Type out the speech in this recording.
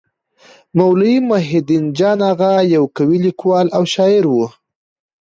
مولوي محی الدين جان اغا يو قوي لیکوال او شاعر وو.